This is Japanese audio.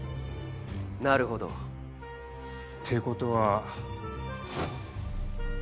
なるほど。ってことは。